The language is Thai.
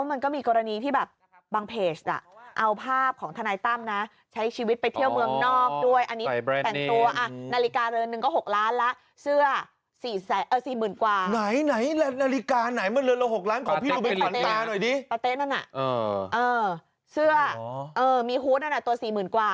เออเออเสื้อเออมีหุ้ดอ่ะนะตัว๔๐๐๐๐กว่า